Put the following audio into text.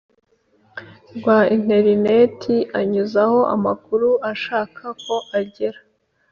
Rwa interineti anyuzaho amakuru ashaka ko agera